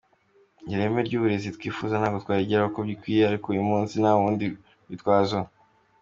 Ireme ry’uburezi twifuza ntawo twarigeragaho uko bikwiriye ariko uyu musi nta rundi rwitwazo.